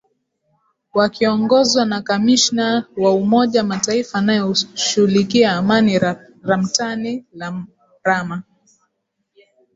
wakiongozwa na kamishna wa umoja mataifa anayeshukilia amani ramtani lamrama